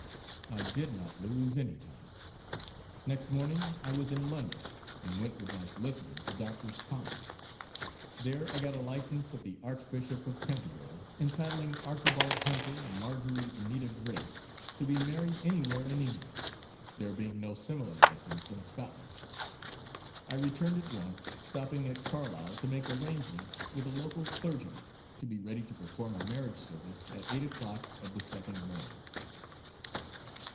I did not lose any time. Next morning I was in London and went with my solicitor to Doctor's Commons. There I got a license of the Archbishop of Canterbury entitling Archibald Hunter and Marjory Anita Drake to be married anywhere in England there being no similar license in Scotland. I returned at once, stopping at Carlisle to make arrangements with a local clergyman to be ready to perform a marriage service at eight o'clock of the second morning.